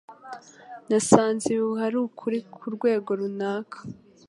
Nasanze ibihuha ari ukuri kurwego runaka.